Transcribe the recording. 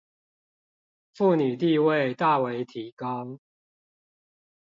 婦女地位大為提高